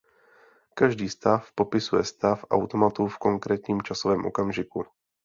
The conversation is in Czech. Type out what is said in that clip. Každý stav popisuje stav automatu v konkrétním časovém okamžiku.